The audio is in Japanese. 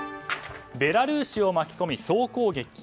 ベラルーシを巻き込み総攻撃？